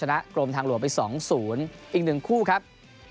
กรมทางหลวงไป๒๐อีก๑คู่ครับ